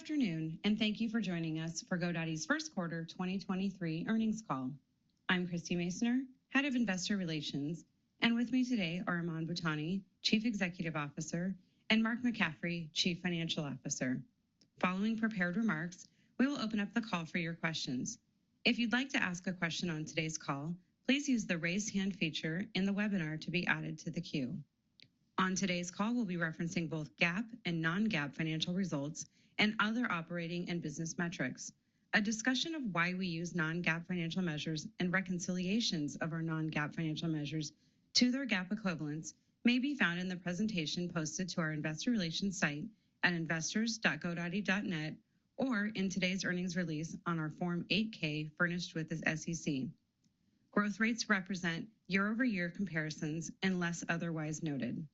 Good afternoon, and thank you for joining us for GoDaddy's First Quarter 2023 Earnings Call. I'm Christie Masoner, Head of Investor Relations, and with me today are Aman Bhutani, Chief Executive Officer, and Mark McCaffrey, Chief Financial Officer. Following prepared remarks, we will open up the call for your questions. If you'd like to ask a question on today's call, please use the Raise Hand feature in the webinar to be added to the queue. On today's call, we'll be referencing both GAAP and non-GAAP financial results and other operating and business metrics. A discussion of why we use non-GAAP financial measures and reconciliations of our non-GAAP financial measures to their GAAP equivalents may be found in the presentation posted to our investor relations site at investors.godaddy.net or in today's earnings release on our Form 8-K furnished with the SEC. Growth rates represent year-over-year comparisons unless otherwise noted.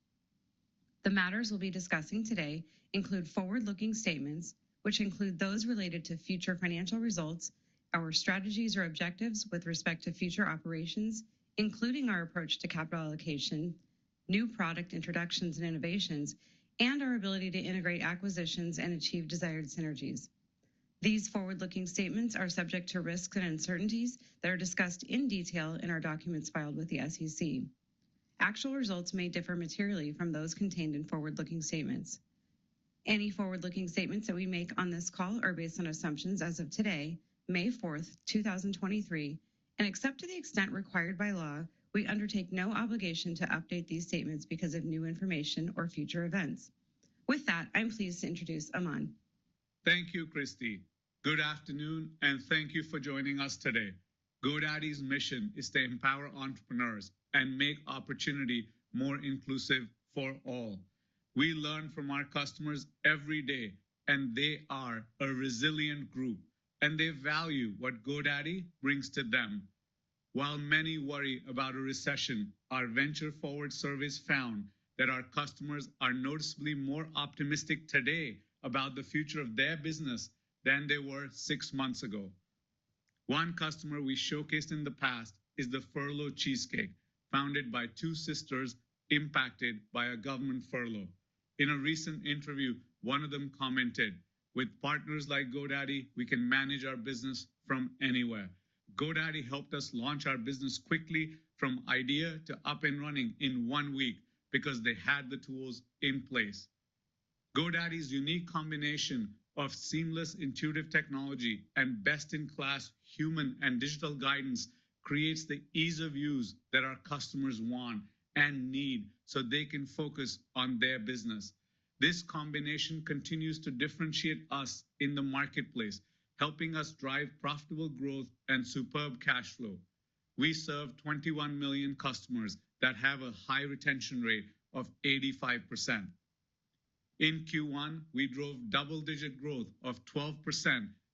The matters we'll be discussing today include forward-looking statements, which include those related to future financial results, our strategies or objectives with respect to future operations, including our approach to capital allocation, new product introductions and innovations, and our ability to integrate acquisitions and achieve desired synergies. These forward-looking statements are subject to risks and uncertainties that are discussed in detail in our documents filed with the SEC. Actual results may differ materially from those contained in forward-looking statements. Any forward-looking statements that we make on this call are based on assumptions as of today, May fourth, two thousand twenty-three, and except to the extent required by law, we undertake no obligation to update these statements because of new information or future events. With that, I'm pleased to introduce Aman. Thank you, Christie. Good afternoon. Thank you for joining us today. GoDaddy's mission is to empower entrepreneurs and make opportunity more inclusive for all. We learn from our customers every day. They are a resilient group, and they value what GoDaddy brings to them. While many worry about a recession, our Venture Forward survey has found that our customers are noticeably more optimistic today about the future of their business than they were six months ago. One customer we showcased in the past is The Furlough Cheesecake, founded by two sisters impacted by a government furlough. In a recent interview, one of them commented, "With partners like GoDaddy, we can manage our business from anywhere. GoDaddy helped us launch our business quickly from idea to up and running in one week because they had the tools in place. GoDaddy's unique combination of seamless intuitive technology and best-in-class human and digital guidance creates the ease of use that our customers want and need so they can focus on their business. This combination continues to differentiate us in the marketplace, helping us drive profitable growth and superb cash flow. We serve 21 million customers that have a high retention rate of 85%. In Q1, we drove double-digit growth of 12%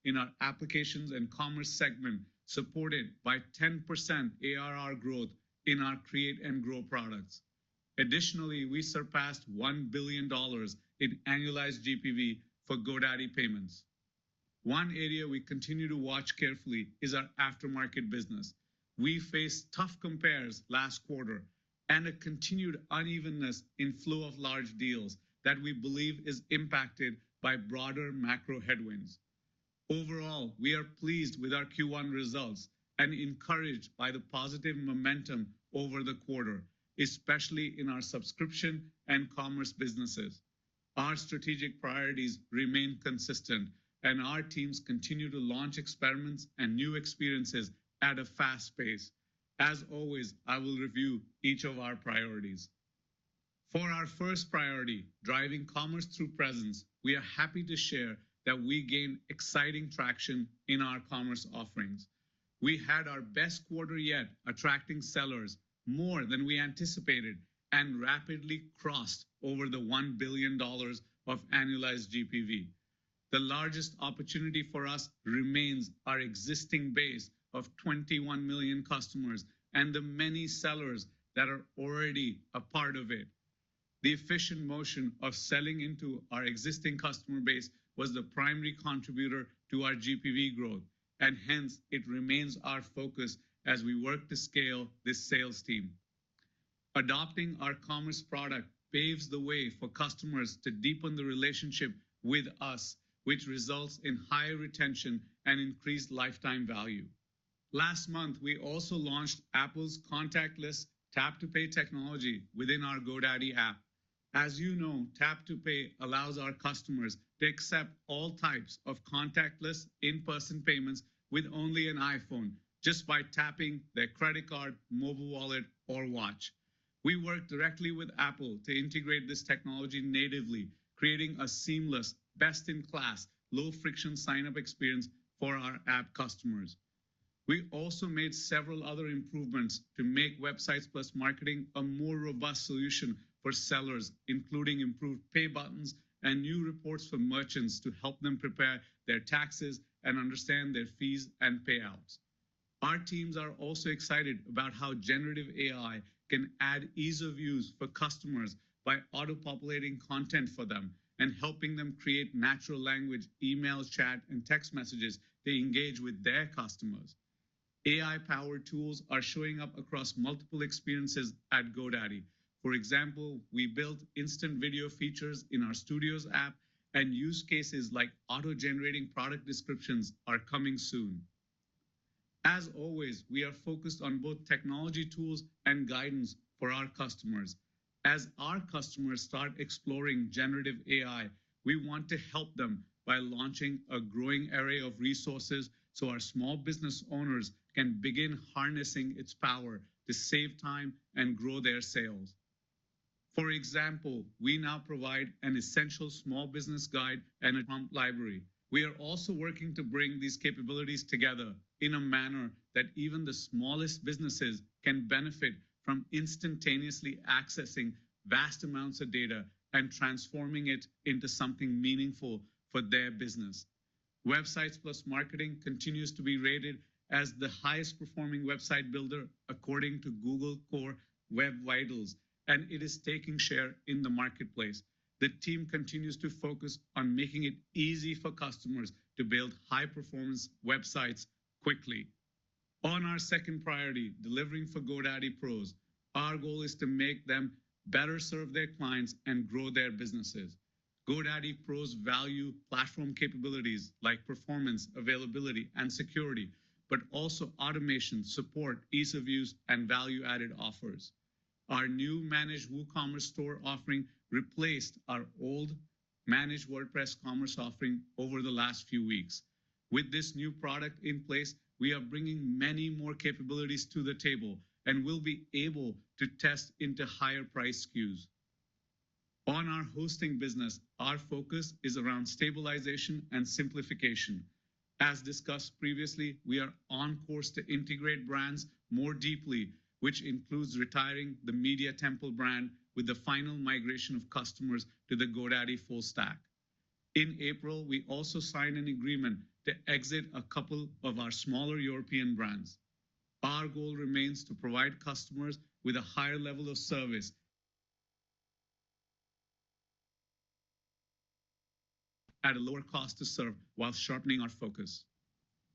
in our Applications & Commerce segment, supported by 10% ARR growth in our Create & Grow products. Additionally, we surpassed $1 billion in annualized GPV for GoDaddy Payments. One area we continue to watch carefully is our aftermarket business. We faced tough compares last quarter and a continued unevenness in flow of large deals that we believe is impacted by broader macro headwinds. Overall, we are pleased with our Q1 results and encouraged by the positive momentum over the quarter, especially in our subscription and commerce businesses. Our strategic priorities remain consistent. Our teams continue to launch experiments and new experiences at a fast pace. As always, I will review each of our priorities. For our first priority, driving commerce through presence, we are happy to share that we gained exciting traction in our commerce offerings. We had our best quarter yet attracting sellers more than we anticipated and rapidly crossed over the $1 billion of annualized GPV. The largest opportunity for us remains our existing base of 21 million customers and the many sellers that are already a part of it. The efficient motion of selling into our existing customer base was the primary contributor to our GPV growth, hence it remains our focus as we work to scale this sales team. Adopting our commerce product paves the way for customers to deepen the relationship with us, which results in higher retention and increased lifetime value. Last month, we also launched Apple's contactless Tap to Pay technology within our GoDaddy app. As you know, Tap to Pay allows our customers to accept all types of contactless in-person payments with only an iPhone just by tapping their credit card, mobile wallet, or watch. We worked directly with Apple to integrate this technology natively, creating a seamless, best-in-class, low-friction sign-up experience for our app customers. We also made several other improvements to make Websites + Marketing a more robust solution for sellers, including improved pay buttons and new reports for merchants to help them prepare their taxes and understand their fees and payouts. Our teams are also excited about how generative AI can add ease of use for customers by auto-populating content for them and helping them create natural language emails, chat, and text messages to engage with their customers. AI-powered tools are showing up across multiple experiences at GoDaddy. For example, we built instant video features in our Studio app and use cases like auto-generating product descriptions are coming soon. As always, we are focused on both technology tools and guidance for our customers. As our customers start exploring generative AI, we want to help them by launching a growing array of resources so our small business owners can begin harnessing its power to save time and grow their sales. For example, we now provide an essential small business guide and a prompt library. We are also working to bring these capabilities together in a manner that even the smallest businesses can benefit from instantaneously accessing vast amounts of data and transforming it into something meaningful for their business. Websites + Marketing continues to be rated as the highest performing website builder according to Google Core Web Vitals, and it is taking share in the marketplace. The team continues to focus on making it easy for customers to build high-performance websites quickly. On our second priority, delivering for GoDaddy Pros, our goal is to make them better serve their clients and grow their businesses. GoDaddy Pros value platform capabilities like performance, availability, and security, but also automation, support, ease of use, and value-added offers. Our new managed WooCommerce store offering replaced our old Managed WordPress Commerce offering over the last few weeks. With this new product in place, we are bringing many more capabilities to the table and will be able to test into higher price SKUs. On our hosting business, our focus is around stabilization and simplification. As discussed previously, we are on course to integrate brands more deeply, which includes retiring the Media Temple brand with the final migration of customers to the GoDaddy full stack. In April, we also signed an agreement to exit a couple of our smaller European brands. Our goal remains to provide customers with a higher level of service at a lower cost to serve while sharpening our focus.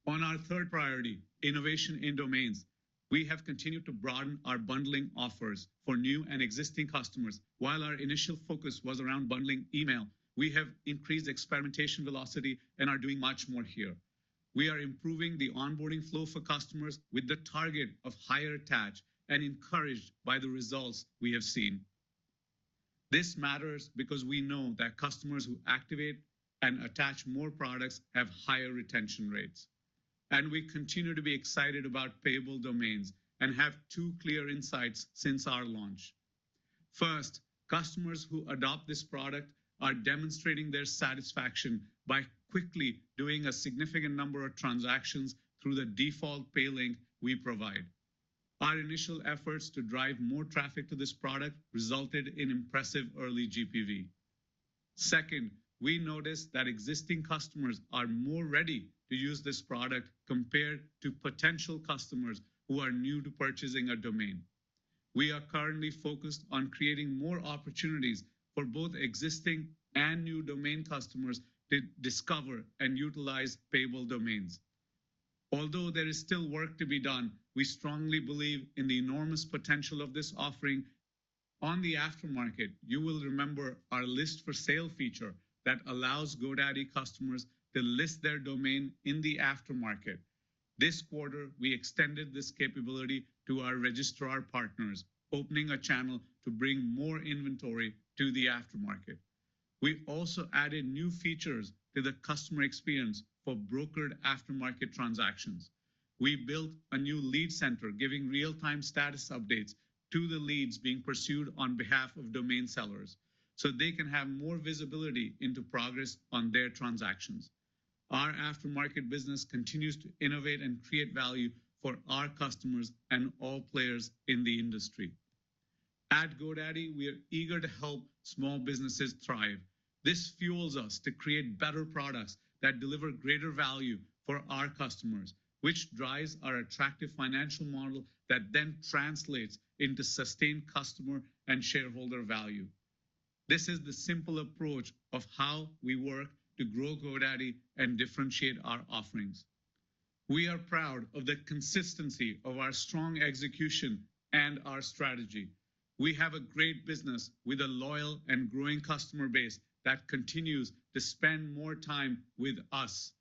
On our third priority, innovation in domains, we have continued to broaden our bundling offers for new and existing customers. While our initial focus was around bundling email, we have increased experimentation velocity and are doing much more here. We are improving the onboarding flow for customers with the target of higher attach and encouraged by the results we have seen. This matters because we know that customers who activate and attach more products have higher retention rates. We continue to be excited about Payable Domains and have two clear insights since our launch. First, customers who adopt this product are demonstrating their satisfaction by quickly doing a significant number of transactions through the default pay link we provide. Our initial efforts to drive more traffic to this product resulted in impressive early GPV. Second, we noticed that existing customers are more ready to use this product compared to potential customers who are new to purchasing a domain. We are currently focused on creating more opportunities for both existing and new domain customers to discover and utilize Payable Domains. Although there is still work to be done, we strongly believe in the enormous potential of this offering. On the aftermarket, you will remember our list for sale feature that allows GoDaddy customers to list their domain in the aftermarket. This quarter, we extended this capability to our registrar partners, opening a channel to bring more inventory to the aftermarket. We've also added new features to the customer experience for brokered aftermarket transactions. We built a new lead center giving real-time status updates to the leads being pursued on behalf of domain sellers, so they can have more visibility into progress on their transactions. Our aftermarket business continues to innovate and create value for our customers and all players in the industry. At GoDaddy, we are eager to help small businesses thrive. This fuels us to create better products that deliver greater value for our customers, which drives our attractive financial model that then translates into sustained customer and shareholder value. This is the simple approach of how we work to grow GoDaddy and differentiate our offerings. We are proud of the consistency of our strong execution and our strategy. We have a great business with a loyal and growing customer base that continues to spend more time with us.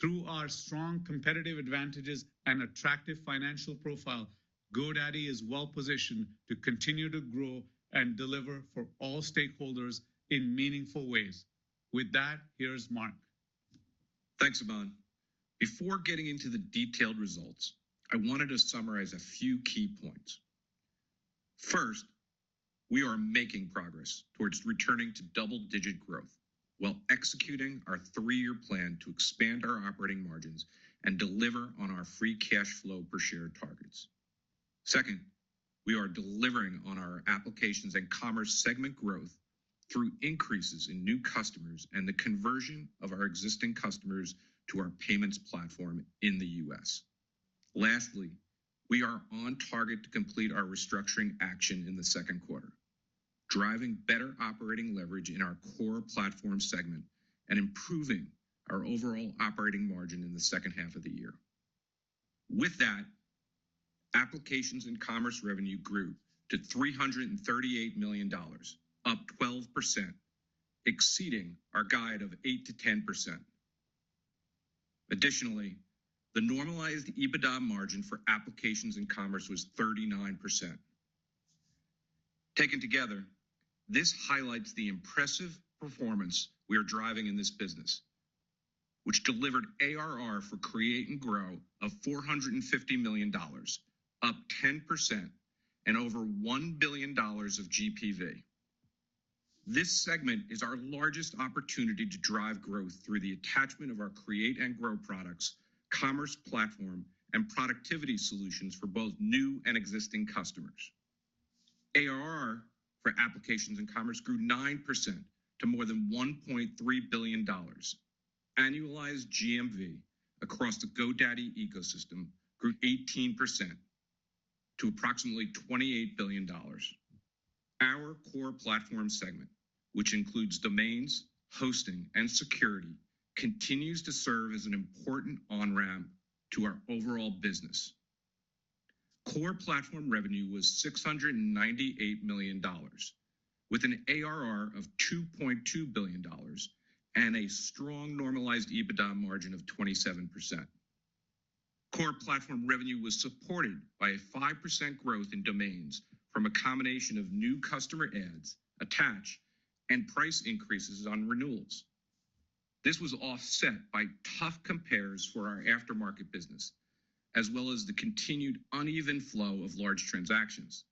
Through our strong competitive advantages and attractive financial profile, GoDaddy is well positioned to continue to grow and deliver for all stakeholders in meaningful ways. With that, here's Mark. Thanks, Aman. Before getting into the detailed results, I wanted to summarize a few key points. First, we are making progress towards returning to double-digit growth while executing our three-year plan to expand our operating margins and deliver on our free cash flow per share targets. Second, we are delivering on our Applications & Commerce segment growth through increases in new customers and the conversion of our existing customers to our payments platform in the U.S. Lastly, we are on target to complete our restructuring action in the second quarter. Driving better operating leverage in our Core Platform segment and improving our overall operating margin in the second half of the year. Applications & Commerce revenue grew to $338 million, up 12%, exceeding our guide of 8%-10%. Additionally, the Normalized EBITDA margin for Applications & Commerce was 39%. Taken together, this highlights the impressive performance we are driving in this business, which delivered ARR for Create and Grow of $450 million, up 10% and over $1 billion of GPV. This segment is our largest opportunity to drive growth through the attachment of our Create & Grow products, commerce platform, and productivity solutions for both new and existing customers. ARR for Applications & Commerce grew 9% to more than $1.3 billion. Annualized GMV across the GoDaddy ecosystem grew 18% to approximately $28 billion. Our Core Platform segment, which includes domains, hosting, and security, continues to serve as an important on-ramp to our overall business. Core Platform revenue was $698 million with an ARR of $2.2 billion and a strong Normalized EBITDA margin of 27%. Core Platform revenue was supported by a 5% growth in domains from a combination of new customer adds, attach, and price increases on renewals. This was offset by tough compares for our aftermarket business, as well as the continued uneven flow of large transactions.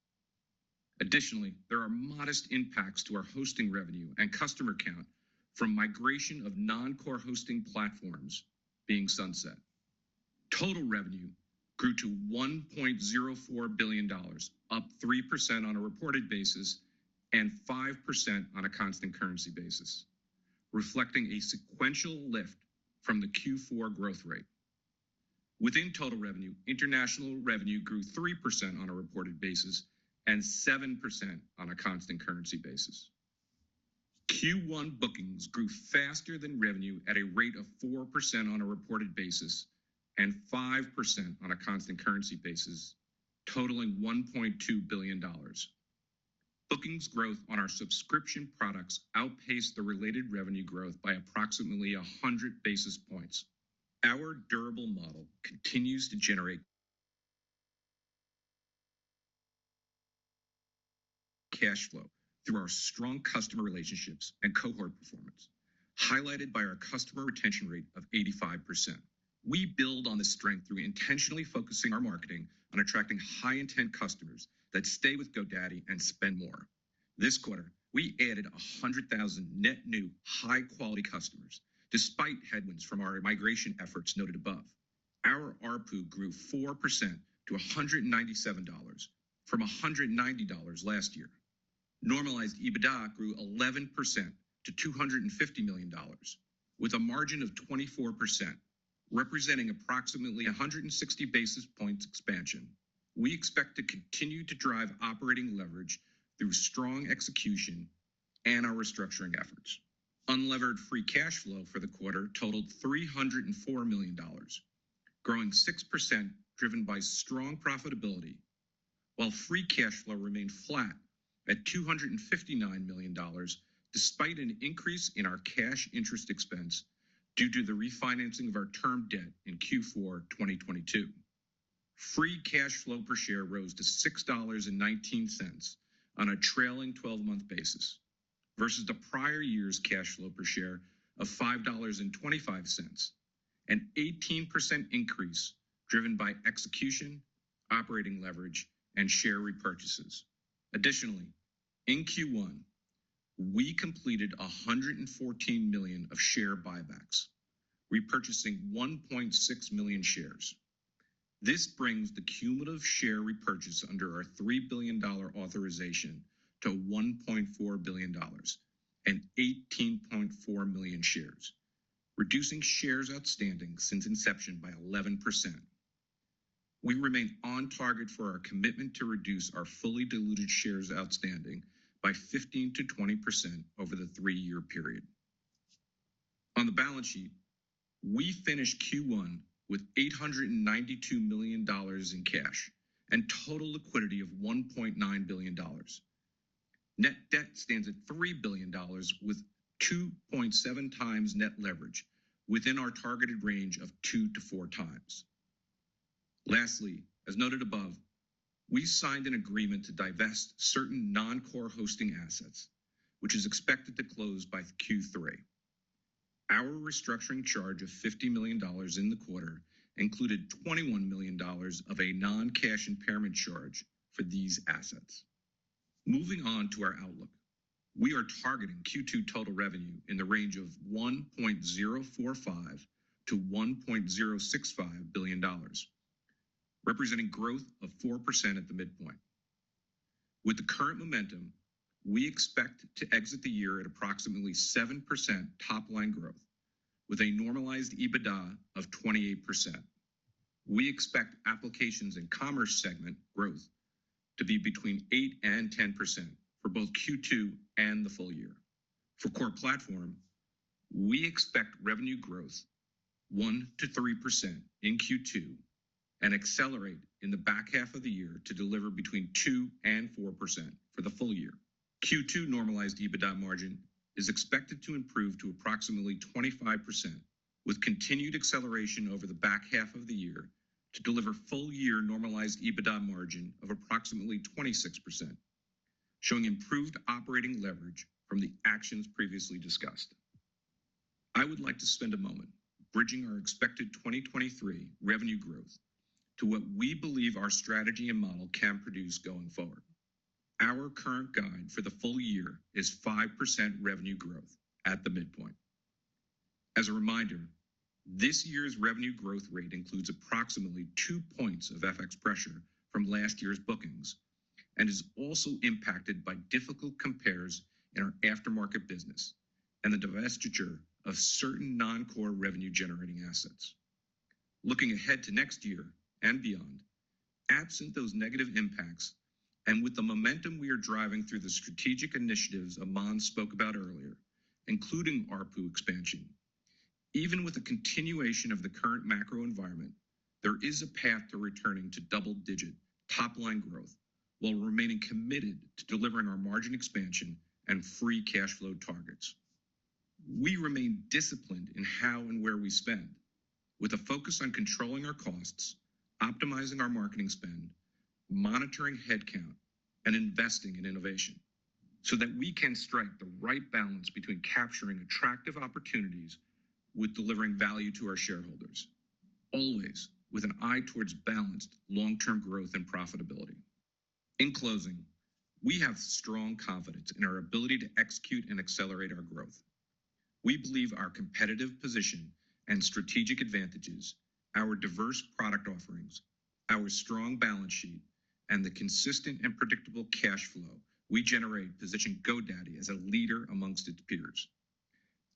Additionally, there are modest impacts to our hosting revenue and customer count from migration of non-Core hosting platforms being sunset. Total revenue grew to $1.04 billion, up 3% on a reported basis and 5% on a constant currency basis, reflecting a sequential lift from the Q4 growth rate. Within total revenue, international revenue grew 3% on a reported basis and 7% on a constant currency basis. Q1 bookings grew faster than revenue at a rate of 4% on a reported basis and 5% on a constant currency basis, totaling $1.2 billion. Bookings growth on our subscription products outpaced the related revenue growth by approximately 100 basis points. Our durable model continues to generate cash flow through our strong customer relationships and cohort performance, highlighted by our customer retention rate of 85%. We build on this strength through intentionally focusing our marketing on attracting high-intent customers that stay with GoDaddy and spend more. This quarter, we added 100,000 net new high-quality customers, despite headwinds from our migration efforts noted above. Our ARPU grew 4% to $197 from $190 last year. Normalized EBITDA grew 11% to $250 million with a margin of 24%, representing approximately 160 basis points expansion. We expect to continue to drive operating leverage through strong execution and our restructuring efforts. Unlevered free cash flow for the quarter totaled $304 million, growing 6% driven by strong profitability, while free cash flow remained flat at $259 million despite an increase in our cash interest expense due to the refinancing of our term debt in Q4 2022. Free cash flow per share rose to $6.19 on a trailing twelve-month basis versus the prior year's cash flow per share of $5.25, an 18% increase driven by execution, operating leverage, and share repurchases. In Q1, we completed $114 million of share buybacks, repurchasing 1.6 million shares. This brings the cumulative share repurchase under our $3 billion authorization to $1.4 billion and 18.4 million shares, reducing shares outstanding since inception by 11%. We remain on target for our commitment to reduce our fully diluted shares outstanding by 15%-20% over the three-year period. On the balance sheet, we finished Q1 with $892 million in cash and total liquidity of $1.9 billion. Net debt stands at $3 billion with 2.7x net leverage within our targeted range of 2x-4x. As noted above, we signed an agreement to divest certain non-core hosting assets, which is expected to close by Q3. Our restructuring charge of $50 million in the quarter included $21 million of a non-cash impairment charge for these assets. Moving on to our outlook. We are targeting Q2 total revenue in the range of $1.045 billion-$1.065 billion, representing growth of 4% at the midpoint. With the current momentum, we expect to exit the year at approximately 7% top-line growth with a normalized EBITDA of 28%. We expect Applications & Commerce segment growth to be between 8% and 10% for both Q2 and the full year. For Core Platform, we expect revenue growth 1%-3% in Q2 and accelerate in the back half of the year to deliver between 2% and 4% for the full year. Q2 normalized EBITDA margin is expected to improve to approximately 25%, with continued acceleration over the back half of the year to deliver full year normalized EBITDA margin of approximately 26%, showing improved operating leverage from the actions previously discussed. I would like to spend a moment bridging our expected 2023 revenue growth to what we believe our strategy and model can produce going forward. Our current guide for the full year is 5% revenue growth at the midpoint. As a reminder, this year's revenue growth rate includes approximately 2 points of FX pressure from last year's bookings and is also impacted by difficult compares in our aftermarket business and the divestiture of certain non-core revenue-generating assets. Looking ahead to next year and beyond, absent those negative impacts and with the momentum we are driving through the strategic initiatives Aman spoke about earlier, including ARPU expansion, even with the continuation of the current macro environment, there is a path to returning to double-digit top-line growth while remaining committed to delivering our margin expansion and free cash flow targets. We remain disciplined in how and where we spend with a focus on controlling our costs, optimizing our marketing spend, monitoring headcount, and investing in innovation so that we can strike the right balance between capturing attractive opportunities with delivering value to our shareholders, always with an eye towards balanced long-term growth and profitability. In closing, we have strong confidence in our ability to execute and accelerate our growth. We believe our competitive position and strategic advantages, our diverse product offerings, our strong balance sheet, and the consistent and predictable cash flow we generate position GoDaddy as a leader amongst its peers.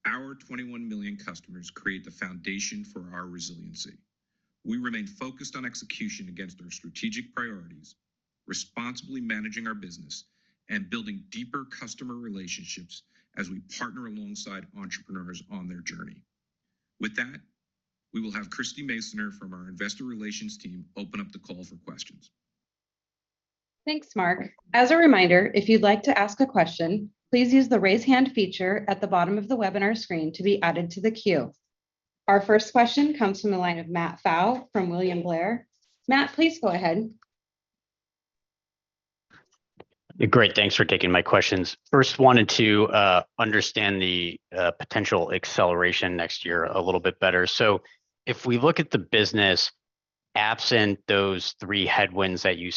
Our 21 million customers create the foundation for our resiliency. We remain focused on execution against our strategic priorities, responsibly managing our business and building deeper customer relationships as we partner alongside entrepreneurs on their journey. With that, we will have Christie Masoner from our investor relations team open up the call for questions. Thanks, Mark. As a reminder, if you'd like to ask a question, please use the raise hand feature at the bottom of the webinar screen to be added to the queue. Our first question comes from the line of Matt Pfau from William Blair. Matt, please go ahead. Great. Thanks for taking my questions. Wanted to understand the potential acceleration next year a little bit better. If we look at the business absent those three headwinds that you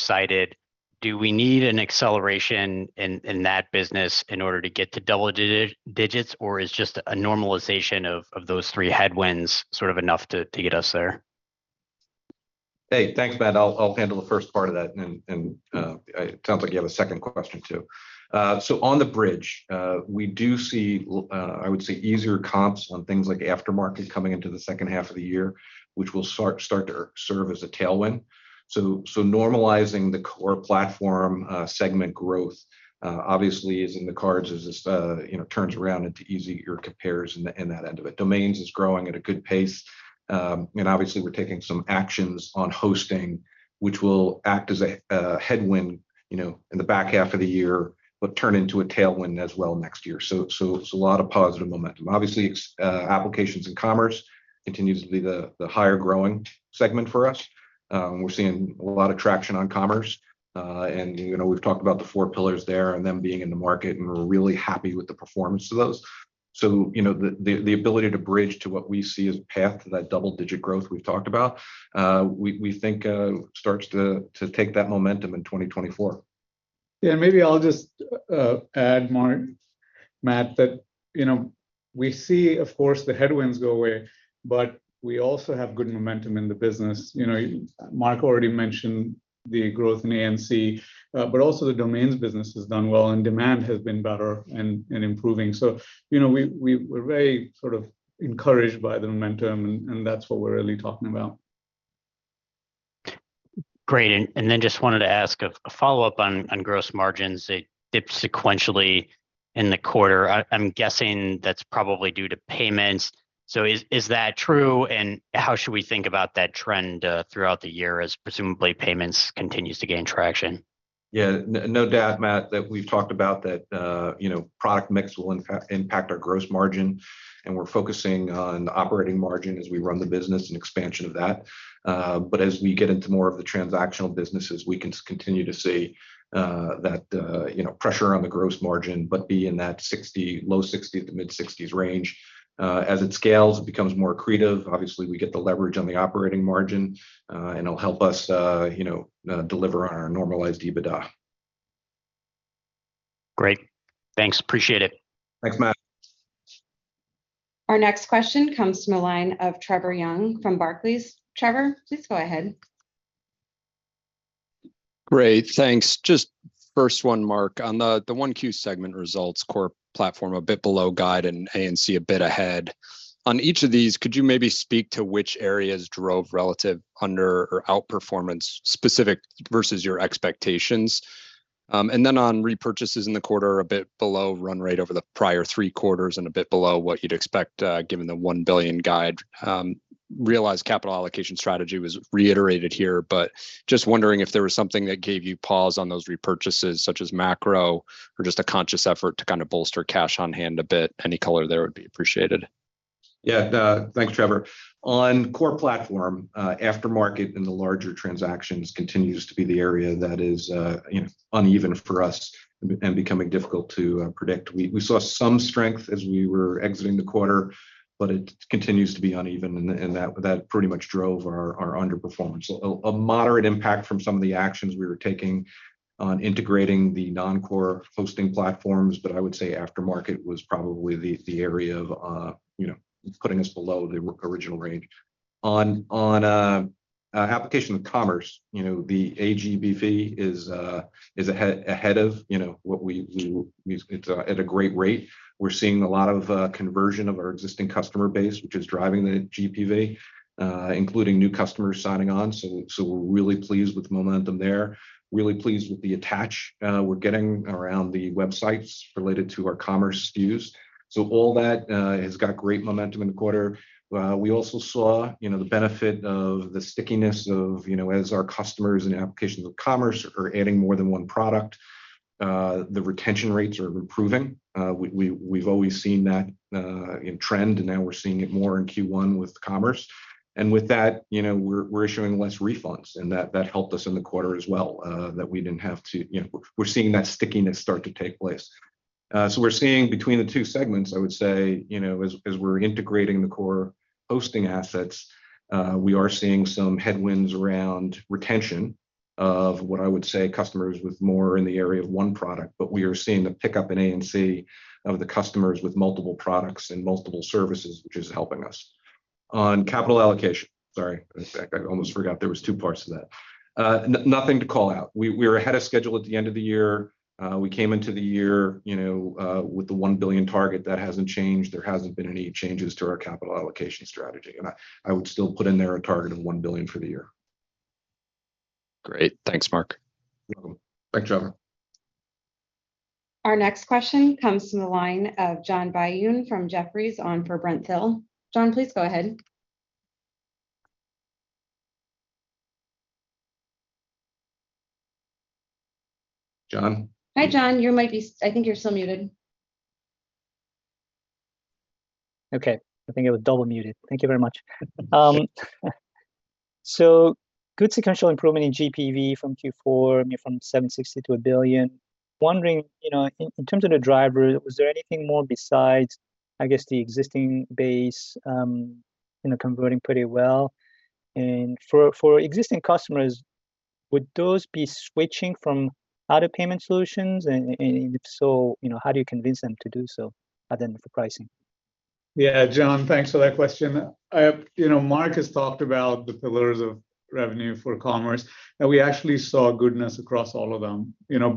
cited, do we need an acceleration in that business in order to get to double digits, or is just a normalization of those three headwinds sort of enough to get us there? Hey. Thanks, Matt. I'll handle the first part of that, and it sounds like you have a second question too. On the bridge, we do see I would say easier comps on things like aftermarket coming into the second half of the year, which will start to serve as a tailwind. Normalizing the Core Platform segment growth obviously is in the cards as this, you know, turns around into easier compares in that end of it. Domains is growing at a good pace, and obviously we're taking some actions on hosting, which will act as a headwind, you know, in the back half of the year, but turn into a tailwind as well next year. It's a lot of positive momentum. Obviously, Applications & Commerce continues to be the higher growing segment for us. We're seeing a lot of traction on commerce. You know, we've talked about the four pillars there and them being in the market, and we're really happy with the performance of those. You know, the ability to bridge to what we see as path to that double-digit growth we've talked about, we think, starts to take that momentum in 2024. Yeah, maybe I'll just add Matt that, you know, we see, of course, the headwinds go away, but we also have good momentum in the business. You know, Mark already mentioned the growth in A&C, but also the domains business has done well and demand has been better and improving. You know, we're very sort of encouraged by the momentum, and that's what we're really talking about. Great. Then just wanted to ask a follow-up on gross margin. It dipped sequentially in the quarter. I'm guessing that's probably due to payments. Is that true, and how should we think about that trend throughout the year as presumably payments continues to gain traction? Yeah. No, no doubt, Matt, that we've talked about that, you know, product mix will impact our gross margin, and we're focusing on operating margin as we run the business and expansion of that. As we get into more of the transactional businesses, we can continue to see that, you know, pressure on the gross margin, but be in that 60, low 60s to mid-60s range. As it scales, it becomes more accretive. Obviously, we get the leverage on the operating margin, and it'll help us, you know, deliver on our Normalized EBITDA. Great. Thanks. Appreciate it. Thanks, Matt. Our next question comes from the line of Trevor Young from Barclays. Trevor, please go ahead. Great. Thanks. Just first one, Mark, on the 1Q segment results Core Platform a bit below guide and A&C a bit ahead. On each of these, could you maybe speak to which areas drove relative under or outperformance specific versus your expectations? Then on repurchases in the quarter, a bit below run rate over the prior three quarters and a bit below what you'd expect given the $1 billion guide. Realized capital allocation strategy was reiterated here, but just wondering if there was something that gave you pause on those repurchases, such as macro or just a conscious effort to kind of bolster cash on hand a bit. Any color there would be appreciated. Thanks, Trevor. On Core Platform, aftermarket in the larger transactions continues to be the area that is, you know, uneven for us and becoming difficult to predict. We saw some strength as we were exiting the quarter, it continues to be uneven and that pretty much drove our underperformance. A moderate impact from some of the actions we were taking on integrating the non-core hosting platforms, I would say aftermarket was probably the area of, you know, putting us below the original range. On Applications & Commerce, you know, the GPV is ahead of, you know, what we. It's at a great rate. We're seeing a lot of conversion of our existing customer base, which is driving the GPV, including new customers signing on. we're really pleased with the momentum there. Really pleased with the attach we're getting around the websites related to our commerce SKUs. All that has got great momentum in the quarter. We also saw, you know, the benefit of the stickiness of, you know, as our customers and applications of commerce are adding more than one product, the retention rates are improving. We've always seen that in trend, and now we're seeing it more in Q1 with commerce. With that, you know, we're issuing less refunds, and that helped us in the quarter as well. You know, we're seeing that stickiness start to take place. We're seeing between the two segments, I would say, you know, as we're integrating the core hosting assets, we are seeing some headwinds around retention of what I would say customers with more in the area of one product. We are seeing a pickup in A&C of the customers with multiple products and multiple services, which is helping us. On capital allocation. Sorry, in fact, I almost forgot there was two parts to that. Nothing to call out. We're ahead of schedule at the end of the year. We came into the year, you know, with the $1 billion target. That hasn't changed. There hasn't been any changes to our capital allocation strategy. I would still put in there a target of $1 billion for the year. Great. Thanks, Mark. Welcome. Thanks, Trevor. Our next question comes from the line of John Byun from Jefferies on for Brent Thill. John, please go ahead. John? Hi, John. I think you're still muted. Okay. I think I was double muted. Thank you very much. Good sequential improvement in GPV from Q4, you know, from $760 to $1 billion. Wondering, you know, in terms of the driver, was there anything more besides, I guess, the existing base, you know, converting pretty well? And for existing customers, would those be switching from other payment solutions? And if so, you know, how do you convince them to do so other than for pricing? Yeah, John, thanks for that question. You know, Mark has talked about the pillars of revenue for commerce, and we actually saw goodness across all of them, you know.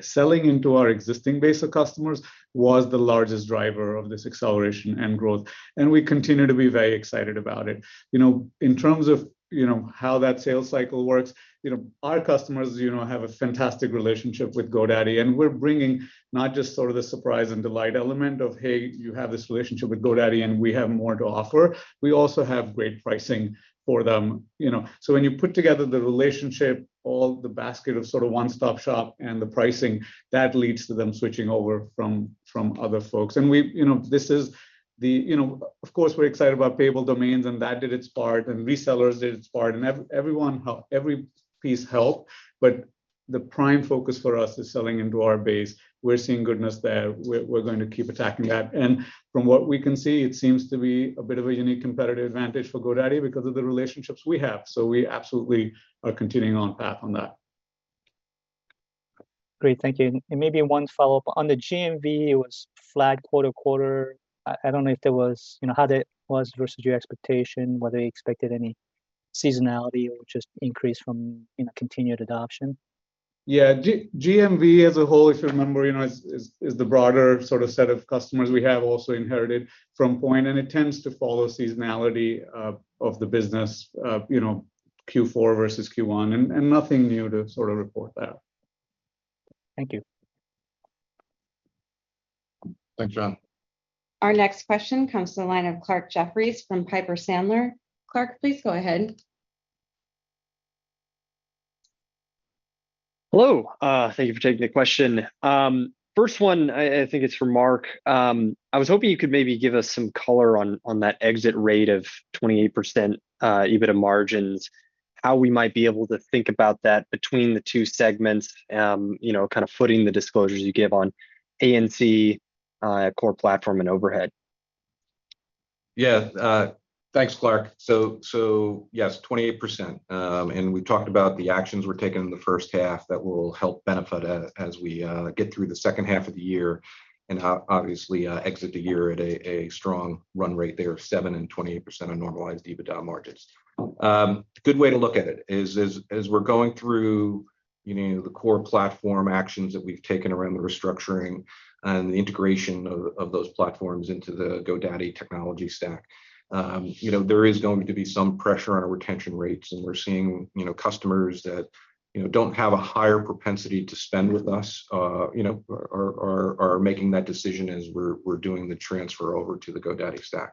Selling into our existing base of customers was the largest driver of this acceleration and growth, and we continue to be very excited about it. You know, in terms of, you know, how that sales cycle works, you know, our customers, you know, have a fantastic relationship with GoDaddy, and we're bringing not just sort of the surprise and delight element of, "Hey, you have this relationship with GoDaddy, and we have more to offer." We also have great pricing for them, you know. When you put together the relationship, all the basket of sort of one-stop shop and the pricing, that leads to them switching over from other folks. You know, this is the. You know, of course, we're excited about Payable Domains, that did its part, resellers did its part, everyone every piece helped, but the prime focus for us is selling into our base. We're seeing goodness there. We're going to keep attacking that. From what we can see, it seems to be a bit of a unique competitive advantage for GoDaddy because of the relationships we have. We absolutely are continuing on path on that. Great. Thank you. Maybe one follow-up. On the GMV, it was flat quarter-over-quarter. I don't know if there was, you know, how that was versus your expectation, whether you expected any seasonality or just increase from, you know, continued adoption. Yeah. GMV as a whole, if you remember, you know, is the broader sort of set of customers we have also inherited from Poynt, and it tends to follow seasonality of the business, you know, Q4 versus Q1. Nothing new to sort of report there. Thank you. Thanks, John. Our next question comes to the line of Clarke Jeffries from Piper Sandler. Clarke, please go ahead. Hello. Thank you for taking the question. First one, I think it's for Mark. I was hoping you could maybe give us some color on that exit rate of 28% EBITDA margins, how we might be able to think about that between the two segments, you know, kind of footing the disclosures you gave on A&C, Core Platform and overhead. Yeah. Thanks, Clarke. Yes, 28%. We've talked about the actions we're taking in the first half that will help benefit as we get through the second half of the year and obviously exit the year at a strong run rate there of 7% and 28% of Normalized EBITDA margins. A good way to look at it is as we're going through. You know, the Core Platform actions that we've taken around the restructuring and the integration of those platforms into the GoDaddy technology stack, you know, there is going to be some pressure on our retention rates, and we're seeing, you know, customers that, you know, don't have a higher propensity to spend with us, you know, are making that decision as we're doing the transfer over to the GoDaddy stack.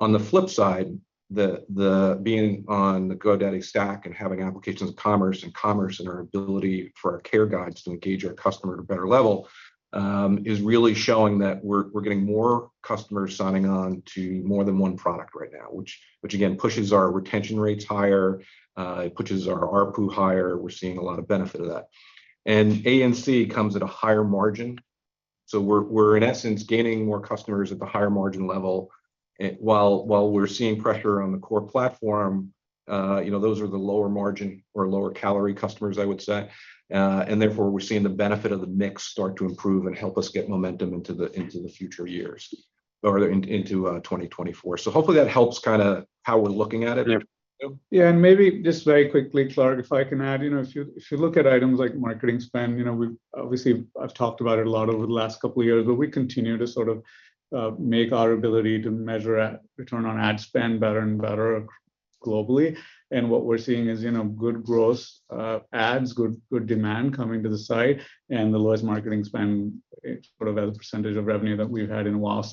On the flip side, the being on the GoDaddy stack and having applications of commerce and commerce in our ability for our care guides to engage our customer at a better level, is really showing that we're getting more customers signing on to more than one product right now, which again pushes our retention rates higher, it pushes our ARPU higher. We're seeing a lot of benefit of that. A&C comes at a higher margin, so we're in essence gaining more customers at the higher margin level. While we're seeing pressure on the Core Platform, you know, those are the lower margin or lower calorie customers I would say, and therefore we're seeing the benefit of the mix start to improve and help us get momentum into the future years or into 2024. Hopefully that helps kinda how we're looking at it. Yeah. Yeah, maybe just very quickly, Clarke, if I can add, you know, if you, if you look at items like marketing spend, you know, we've obviously I've talked about it a lot over the last couple of years, but we continue to sort of make our ability to measure a Return on Ad Spend better and better globally. What we're seeing is, you know, good growth ads, good demand coming to the site and the lowest marketing spend sort of as a percentage of revenue that we've had in a while.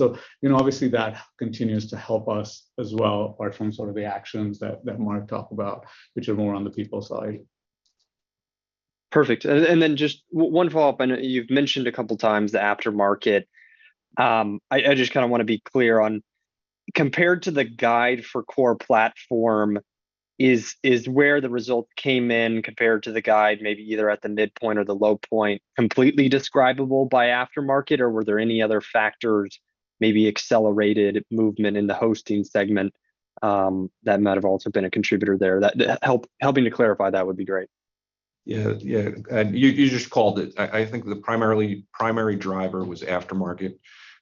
You know, obviously that continues to help us as well apart from sort of the actions that Mark talked about, which are more on the people side. Perfect. Then just one follow-up, you've mentioned a couple times the aftermarket. I just kind of want to be clear on compared to the guide for Core Platform, is where the result came in compared to the guide maybe either at the midpoint or the low point completely describable by aftermarket, or were there any other factors, maybe accelerated movement in the hosting segment, that might have also been a contributor there? That. Helping to clarify that would be great. Yeah. Yeah. You just called it. I think the primary driver was aftermarket,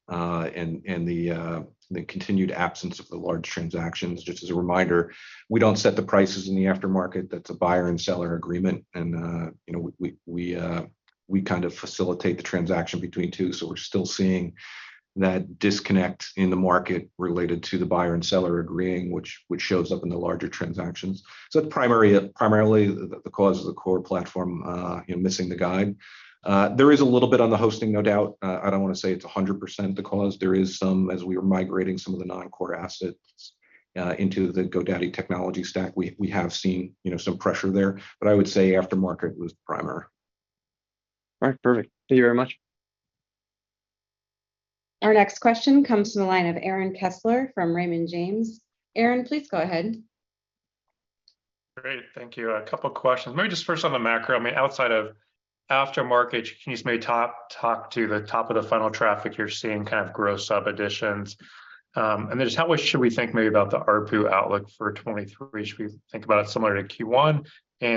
and the continued absence of the large transactions. Just as a reminder, we don't set the prices in the aftermarket. That's a buyer and seller agreement, and, you know, we kind of facilitate the transaction between two, so we're still seeing that disconnect in the market related to the buyer and seller agreeing, which shows up in the larger transactions. Primarily the cause of the Core Platform, you know, missing the guide. There is a little bit on the hosting, no doubt. I don't wanna say it's a hundred percent the cause. There is some as we are migrating some of the non-core assets, into the GoDaddy technology stack, we have seen, you know, some pressure there. I would say aftermarket was the primary. Right. Perfect. Thank you very much. Our next question comes from the line of Aaron Kessler from Raymond James. Aaron, please go ahead. Great. Thank you. A couple questions. Maybe just first on the macro. I mean, outside of aftermarket, can you just maybe talk to the top of the funnel traffic you're seeing kind of gross additions? Just how much should we think maybe about the ARPU outlook for 23? Should we think about it similar to Q1?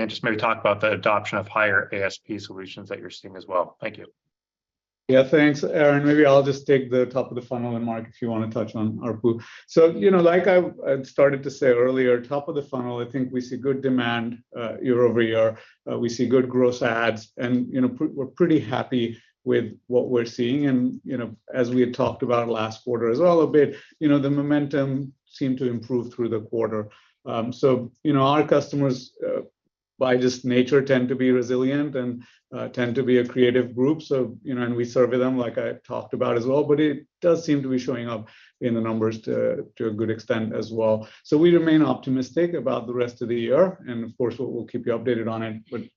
Just maybe talk about the adoption of higher ASP solutions that you're seeing as well. Thank you. Yeah. Thanks, Aaron. Maybe I'll just take the top of the funnel, and Mark, if you wanna touch on ARPU. you know, like I started to say earlier, top of the funnel, I think we see good demand year-over-year. We see good growth ads, and, you know, we're pretty happy with what we're seeing. you know, as we had talked about last quarter as well a bit, you know, the momentum seemed to improve through the quarter. you know, our customers by just nature tend to be resilient and tend to be a creative group, so, you know, and we survey them like I talked about as well, but it does seem to be showing up in the numbers to a good extent as well. We remain optimistic about the rest of the year, and of course we'll keep you updated on it.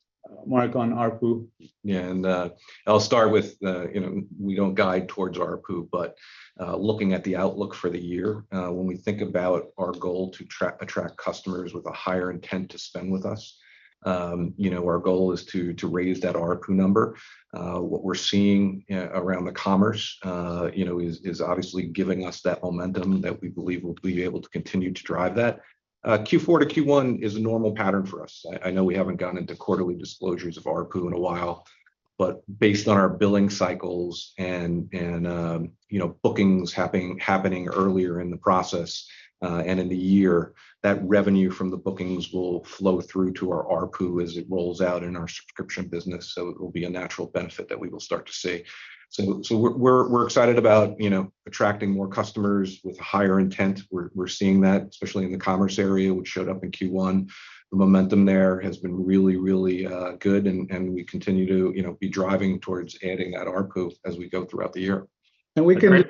Mark, on ARPU. Yeah. And, I'll start with, you know, we don't guide towards ARPU, but, looking at the outlook for the year, when we think about our goal to trap-attract customers with a higher intent to spend with us, you know, our goal is to, to raise that ARPU number. What we're seeing around the commerce, you know, is, is obviously giving us that momentum that we believe will be able to continue to drive that. Q4 to Q1 is a normal pattern for us. I, I know we haven't gotten into quarterly disclosures of ARPU in a while, but based on our billing cycles and, and, you know, bookings happening, happening earlier in the process, and in the year, that revenue from the bookings will flow through to our ARPU as it rolls out in our subscription business. It will be a natural benefit that we will start to see. We're excited about, you know, attracting more customers with higher intent. We're seeing that, especially in the commerce area, which showed up in Q1. The momentum there has been really, really good, and we continue to, you know, be driving towards adding that ARPU as we go throughout the year. And we can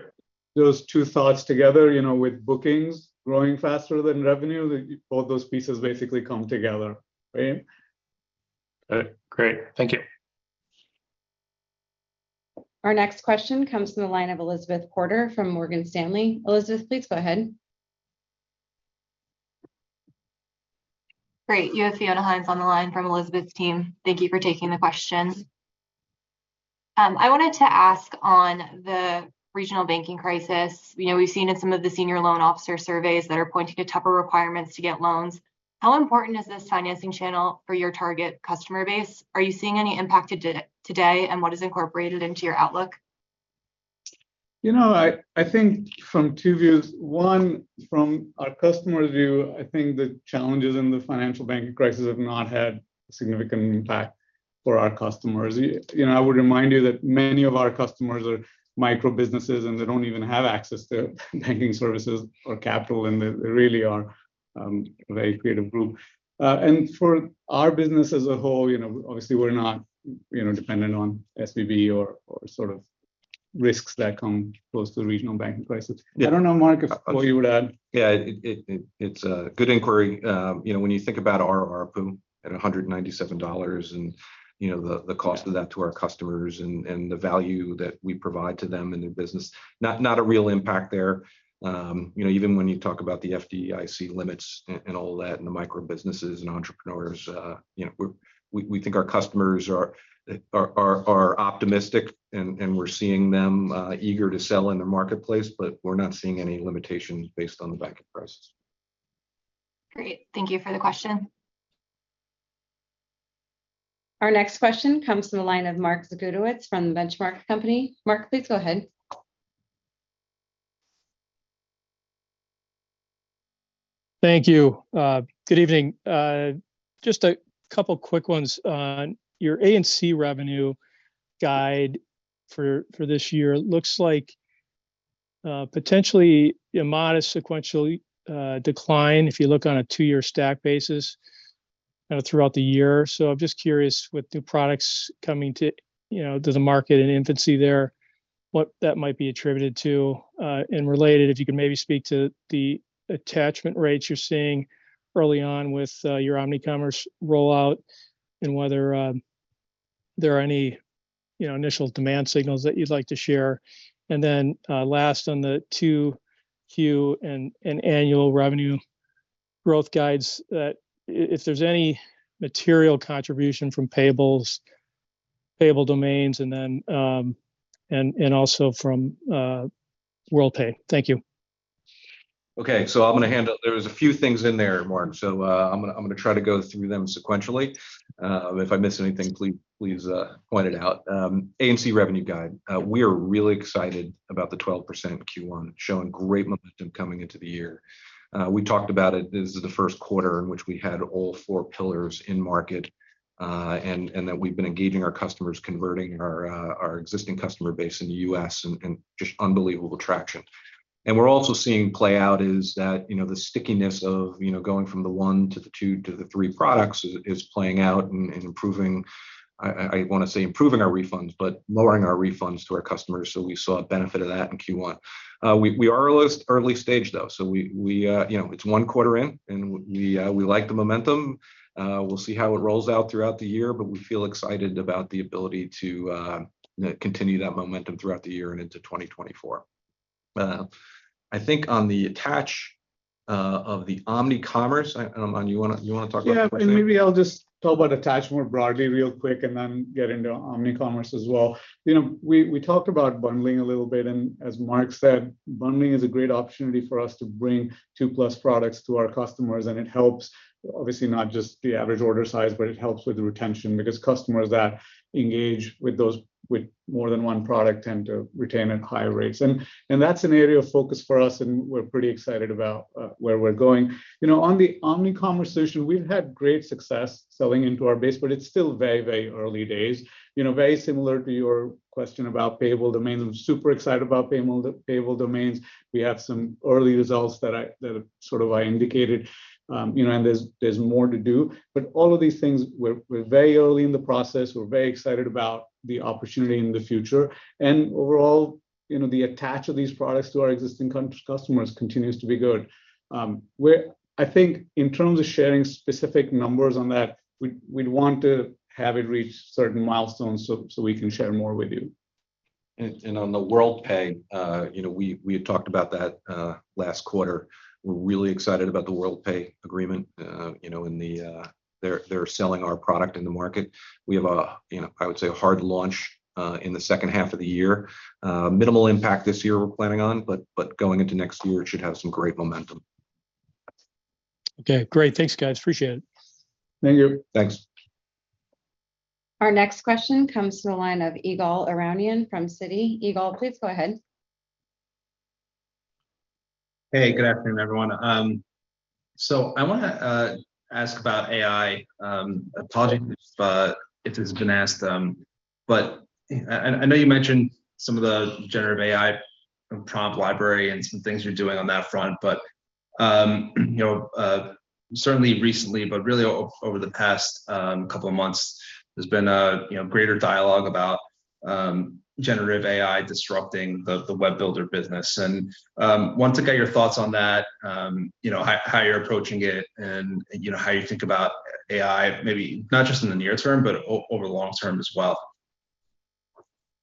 those two thoughts together, you know, with bookings growing faster than revenue, both those pieces basically come together, right? All right. Great. Thank you. Our next question comes from the line of Elizabeth Porter from Morgan Stanley. Elizabeth, please go ahead. Great. You have Fiona Hines on the line from Elizabeth's team. Thank you for taking the question. I wanted to ask on the regional banking crisis. You know, we've seen in some of the senior loan officer surveys that are pointing to tougher requirements to get loans. How important is this financing channel for your target customer base? Are you seeing any impact today, and what is incorporated into your outlook? You know, I think from two views. One, from our customer view, I think the challenges in the financial bank crisis have not had a significant impact for our customers. Yeah. You know, I would remind you that many of our customers are microbusinesses, and they don't even have access to banking services or capital, and they really are a very creative group. For our business as a whole, you know, obviously we're not, you know, dependent on SVB or sort of risks that come close to the regional banking crisis. Yeah. I don't know, Mark, if what you would add. Yeah. It's a good inquiry. You know, when you think about our ARPU at $197 and, you know, the cost of that to our customers and the value that we provide to them in their business, not a real impact there. You know, even when you talk about the FDIC limits and all that, and the microbusinesses and entrepreneurs, you know, we think our customers are optimistic and we're seeing them eager to sell in the marketplace, but we're not seeing any limitations based on the banking crisis. Great. Thank you for the question. Our next question comes to the line of Mark Zgutowicz from The Benchmark Company. Mark, please go ahead. Thank you. Good evening. Just a couple quick ones. On your A&C revenue guide for this year looks like potentially a modest sequential decline if you look on a two-year stack basis throughout the year. I'm just curious with new products coming to, you know, to the market in infancy there, what that might be attributed to. Related, if you could maybe speak to the attachment rates you're seeing early on with your OmniCommerce rollout and whether there are any, you know, initial demand signals that you'd like to share. Then, last, on the 2Q and annual revenue growth guides, if there's any material contribution from payables, Payable Domains, and then, and also from Worldpay. Thank you. Okay, I'm gonna handle. There was a few things in there, Mark, I'm gonna try to go through them sequentially. If I miss anything, please point it out. A&C revenue guide. We are really excited about the 12% Q1. Showing great momentum coming into the year. We talked about it. This is the first quarter in which we had all four pillars in market, and that we've been engaging our customers, converting our existing customer base in the U.S. and just unbelievable traction. We're also seeing play out is that, you know, the stickiness of, you know, going from the one to the two to the three products is playing out and improving, I wanna say improving our refunds, but lowering our refunds to our customers. We saw a benefit of that in Q1. We are early stage though, so we, you know, it's one quarter in, and we like the momentum. We'll see how it rolls out throughout the year, but we feel excited about the ability to, you know, continue that momentum throughout the year and into 2024. I think on the attach of the OmniCommerce, I, Aman, you wanna talk about that one? Yeah. Maybe I'll just talk about attachment broadly real quick and then get into OmniCommerce as well. You know, we talked about bundling a little bit, and as Mark McCaffrey said, bundling is a great opportunity for us to bring two-plus products to our customers, and it helps obviously not just the average order size, but it helps with the retention because customers that engage with those with more than one product tend to retain at higher rates. And that's an area of focus for us, and we're pretty excited about where we're going. You know, on the OmniCommerce issue, we've had great success selling into our base, but it's still very, very early days. You know, very similar to your question about Payable Domains. I'm super excited about Payable Domains. We have some early results that sort of I indicated, you know, there's more to do. All of these things, we're very early in the process. We're very excited about the opportunity in the future. Overall, you know, the attach of these products to our existing customers continues to be good. I think in terms of sharing specific numbers on that, we'd want to have it reach certain milestones so we can share more with you. On the Worldpay, you know, we had talked about that last quarter. We're really excited about the Worldpay agreement. You know, in the, They're selling our product in the market. We have a, you know, I would say a hard launch in the second half of the year. Minimal impact this year we're planning on, but going into next year it should have some great momentum. Okay, great. Thanks, guys. Appreciate it. Thank you. Thanks. Our next question comes to the line of Ygal Arounian from Citi. Ygal, please go ahead. Hey, good afternoon, everyone. I wanna ask about AI. Apologies if it has been asked, but I know you mentioned some of the generative AI prompt library and some things you're doing on that front. You know, certainly recently, but really over the past couple of months, there's been a, you know, greater dialogue about generative AI disrupting the web builder business. Wanted to get your thoughts on that, you know, how you're approaching it and, you know, how you think about AI, maybe not just in the near term, but over the long term as well.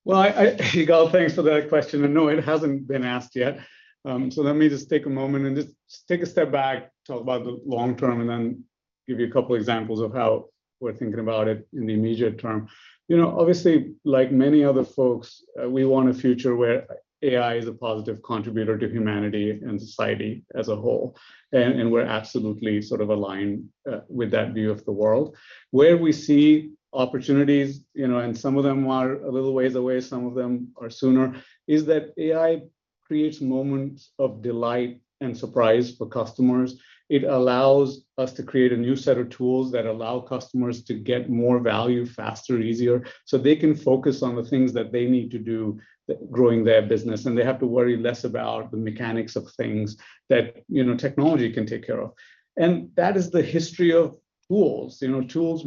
Well, I, Ygal, thanks for that question. No, it hasn't been asked yet. Let me just take a moment and just take a step back, talk about the long term, and then give you a couple examples of how we're thinking about it in the immediate term. You know, obviously, like many other folks, we want a future where AI is a positive contributor to humanity and society as a whole, and we're absolutely sort of aligned with that view of the world. Where we see opportunities, you know, and some of them are a little ways away, some of them are sooner, is that AI creates moments of delight and surprise for customers. It allows us to create a new set of tools that allow customers to get more value faster, easier, so they can focus on the things that they need to do growing their business, and they have to worry less about the mechanics of things that, you know, technology can take care of. That is the history of tools. You know, tools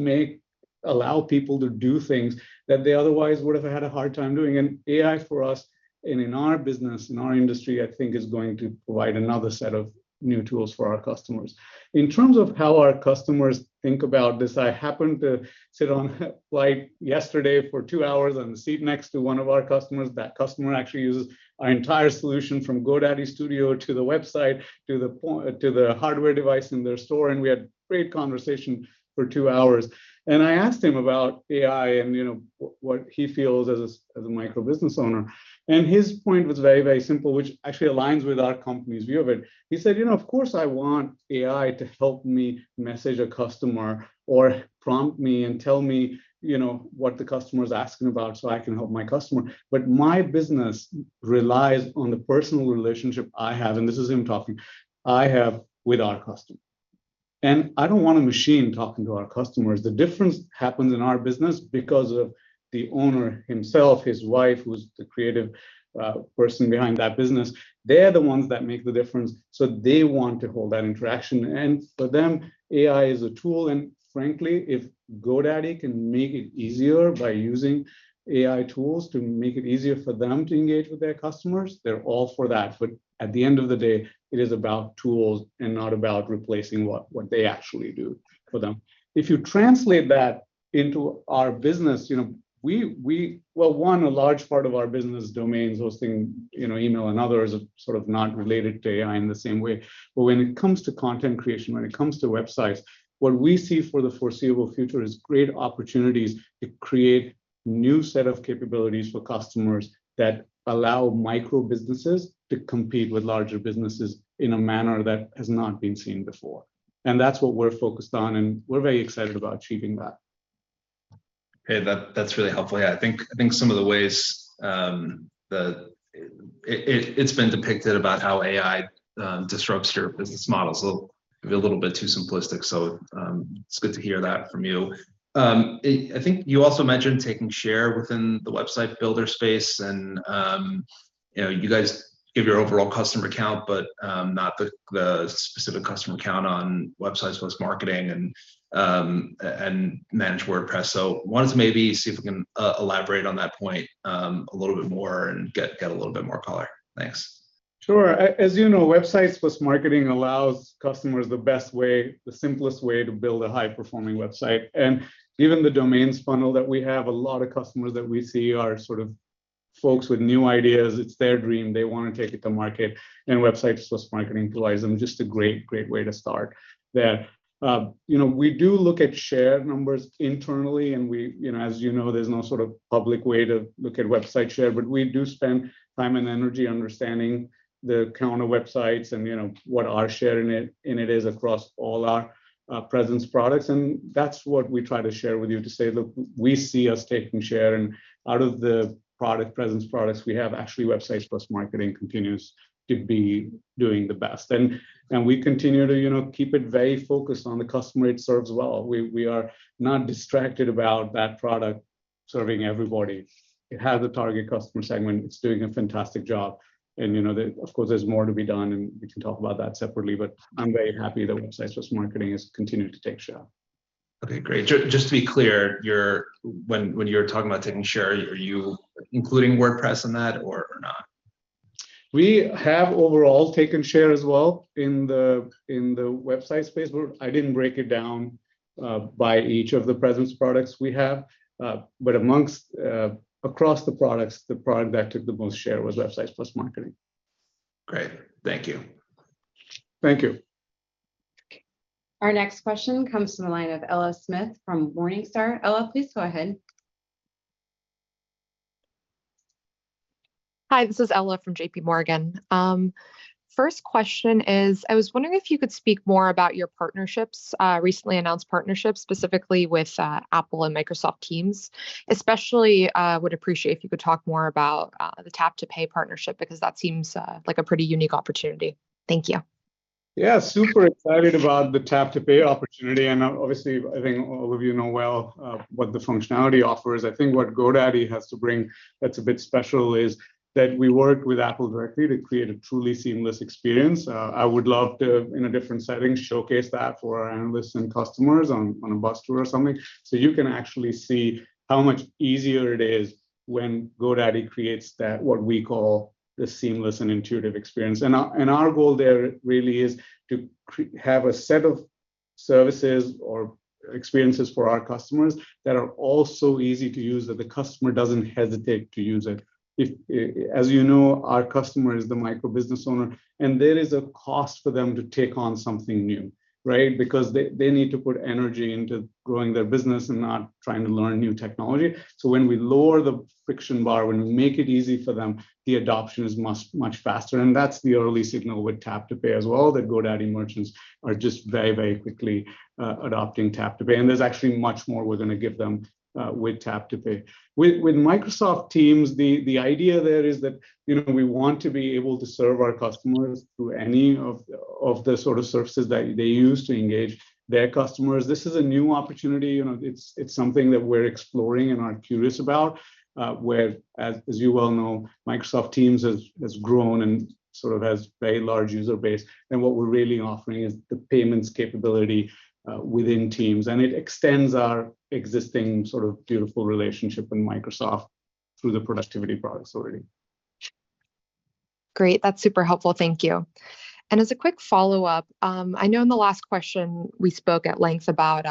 allow people to do things that they otherwise would have had a hard time doing. AI for us in our business, in our industry, I think is going to provide another set of new tools for our customers. In terms of how our customers think about this, I happened to sit on a flight yesterday for two hours on the seat next to one of our customers. That customer actually uses our entire solution from GoDaddy Studio to the website to the hardware device in their store, and we had great conversation for two hours. I asked him about AI and, you know, what he feels as a microbusiness owner, and his point was very, very simple, which actually aligns with our company's view of it. He said, "You know, of course I want AI to help me message a customer or prompt me and tell me, you know, what the customer's asking about so I can help my customer. My business relies on the personal relationship I have," and this is him talking, "I have with our customer. I don't want a machine talking to our customers." The difference happens in our business because of the owner himself, his wife, who's the creative person behind that business, they're the ones that make the difference, so they want to hold that interaction. For them, AI is a tool, and frankly, if GoDaddy can make it easier by using AI tools to make it easier for them to engage with their customers, they're all for that. At the end of the day, it is about tools and not about replacing what they actually do for them. If you translate that into our business, you know, one, a large part of our business, domains, hosting, you know, email and others are sort of not related to AI in the same way. When it comes to content creation, when it comes to websites, what we see for the foreseeable future is great opportunities to create new set of capabilities for customers that allow microbusinesses to compete with larger businesses in a manner that has not been seen before. That's what we're focused on, and we're very excited about achieving that. Okay. That's really helpful. Yeah, I think some of the ways that it's been depicted about how AI disrupts your business model is a little, maybe a little bit too simplistic, so it's good to hear that from you. I think you also mentioned taking share within the website builder space and, you know, you guys give your overall customer count, but not the specific customer count on Websites + Marketing and Managed WordPress. Wanted to maybe see if you can elaborate on that point a little bit more and get a little bit more color. Thanks. Sure. As you know, Websites + Marketing allows customers the best way, the simplest way to build a high-performing website. Given the domains funnel that we have, a lot of customers that we see are sort of folks with new ideas. It's their dream. They wanna take it to market, Websites + Marketing provides them just a great way to start. That, you know, we do look at share numbers internally. We, you know, as you know, there's no sort of public way to look at website share, but we do spend time and energy understanding the count of websites and, you know, what our share in it is across all our presence products. That's what we try to share with you to say, look, we see us taking share and out of the product presence products we have, actually Websites + Marketing continues to be doing the best. We continue to, you know, keep it very focused on the customer it serves well. We are not distracted about that product serving everybody. It has a target customer segment. It's doing a fantastic job and, you know, there, of course, there's more to be done, and we can talk about that separately, but I'm very happy that Websites + Marketing has continued to take share. Okay. Great. Just to be clear, you're when you're talking about taking share, are you including WordPress in that or not? We have overall taken share as well in the websites space. I didn't break it down by each of the presence products we have. Amongst across the products, the product that took the most share was Websites + Marketing. Great. Thank you. Thank you. Our next question comes from the line of Patty Lai from Morningstar. Ella, please go ahead. Hi, this is Ella from JPMorgan. First question is, I was wondering if you could speak more about your partnerships, recently announced partnerships, specifically with Apple and Microsoft Teams? Especially, would appreciate if you could talk more about the Tap to Pay partnership, because that seems like a pretty unique opportunity. Thank you. Yeah, super excited about the Tap to Pay opportunity, and obviously, I think all of you know well, what the functionality offers. I think what GoDaddy has to bring that's a bit special is that we work with Apple directly to create a truly seamless experience. I would love to, in a different setting, showcase that for our analysts and customers on a bus tour or something. You can actually see how much easier it is when GoDaddy creates that, what we call the seamless and intuitive experience. Our goal there really is to have a set of services or experiences for our customers that are all so easy to use that the customer doesn't hesitate to use it. As you know, our customer is the microbusiness owner, and there is a cost for them to take on something new, right? Because they need to put energy into growing their business and not trying to learn new technology. When we lower the friction bar, when we make it easy for them, the adoption is much faster, and that's the early signal with Tap to Pay as well, that GoDaddy merchants are just very quickly adopting Tap to Pay. There's actually much more we're gonna give them with Tap to Pay. With Microsoft Teams, the idea there is that, you know, we want to be able to serve our customers through any of the sort of services that they use to engage their customers. This is a new opportunity and it's something that we're exploring and are curious about, where as you well know, Microsoft Teams has grown and sort of has very large user base. What we're really offering is the payments capability within Teams and it extends our existing sort of beautiful relationship with Microsoft through the productivity products already. Great. That's super helpful. Thank you. As a quick follow-up, I know in the last question we spoke at length about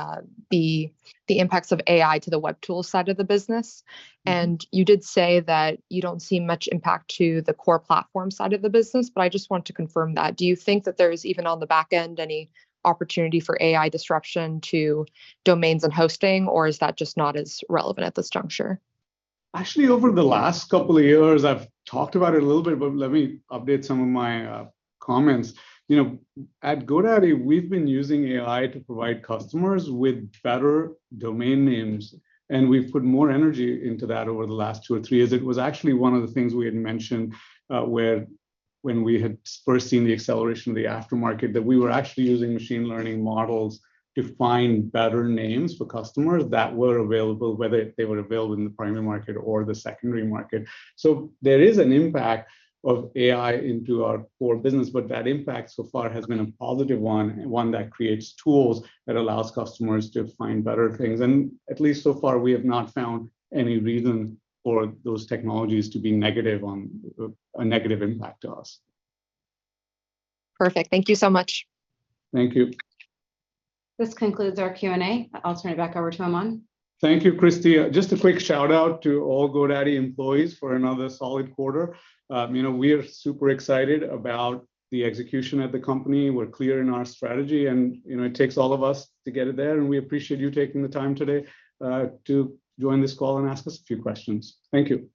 the impacts of AI to the web tool side of the business, and you did say that you don't see much impact to the Core Platform side of the business, but I just want to confirm that. Do you think that there's, even on the back end, any opportunity for AI disruption to domains and hosting, or is that just not as relevant at this juncture? Actually, over the last couple of years I've talked about it a little bit, but let me update some of my comments. You know, at GoDaddy, we've been using AI to provide customers with better domain names, and we've put more energy into that over the last two or three years. It was actually one of the things we had mentioned, where when we had first seen the acceleration of the aftermarket, that we were actually using machine learning models to find better names for customers that were available, whether they were available in the primary market or the secondary market. There is an impact of AI into our core business, but that impact so far has been a positive one, and one that creates tools that allows customers to find better things. At least so far, we have not found any reason for those technologies to be a negative impact to us. Perfect. Thank you so much. Thank you. This concludes our Q&A. I'll turn it back over to Aman. Thank you, Christie. Just a quick shout-out to all GoDaddy employees for another solid quarter. You know, we are super excited about the execution at the company. We're clear in our strategy and, you know, it takes all of us to get it there, and we appreciate you taking the time today to join this call and ask us a few questions. Thank you.